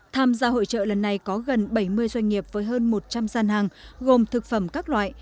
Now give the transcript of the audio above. tham gia hội trợ lần này có gần bảy mươi doanh nghiệp với hơn một trăm linh gian hàng gồm thực phẩm các loại